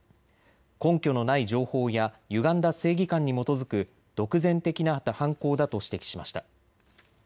根拠のない情報やゆがんだ正義感に基づく独善的な犯行だと指摘しました。